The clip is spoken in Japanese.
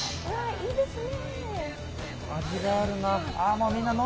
いいですね。